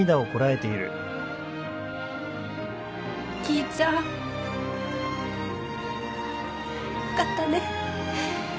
きいちゃんよかったね。